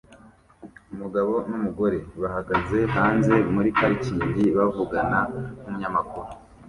Umugabo numugore bahagaze hanze muri parikingi bavugana numunyamakuru